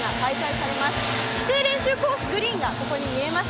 指定練習コース、グリーンがここに見えます。